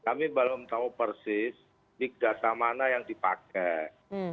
kami belum tahu persis big data mana yang dipakai